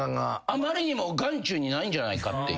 あまりにも眼中にないんじゃないかっていう。